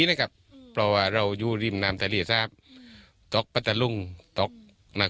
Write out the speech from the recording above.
นะครับเพราะว่าเราอยู่ริมน้ำทะเลทราบตกปัจจรุงตกมา